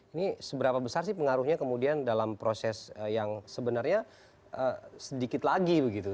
ini seberapa besar sih pengaruhnya kemudian dalam proses yang sebenarnya sedikit lagi begitu